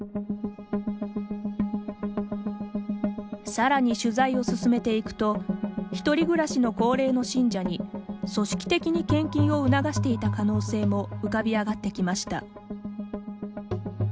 さらに取材を進めていくと１人暮らしの高齢の信者に組織的に献金を促していた可能性も浮かび上がってきました。